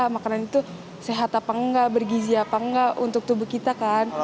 makanan itu sehat apa enggak bergizi apa enggak untuk tubuh kita kan